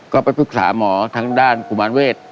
ก็ไปปรึกษาหมอทางด้านกุมารเวศ